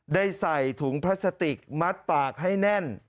ได้ใส่ถุงพลาสติกมัดปากให้แน่น